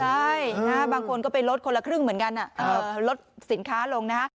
ใช่บางคนก็ไปลดคนละครึ่งเหมือนกันลดสินค้าลงนะ